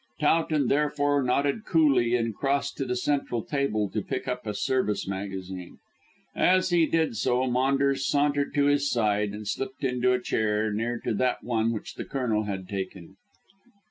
Towton therefore nodded coolly and crossed to the central table to pick up a Service Magazine. As he did so Maunders sauntered to his side and slipped into a chair near to that one which the Colonel had taken.